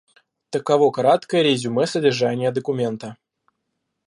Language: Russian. Таково краткое резюме содержания документа.